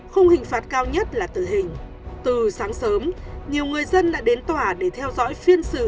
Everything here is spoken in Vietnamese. khung hình phạt cao nhất là tử hình từ sáng sớm nhiều người dân đã đến tòa để theo dõi phiên xử